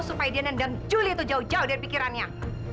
supaya dia nendang julie itu jauh jauh dari pikirannya